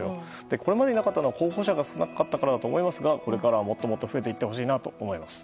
これまでになかったのは候補者が少なかったからだと思いますがこれからはもっと増えていってほしいなと思います。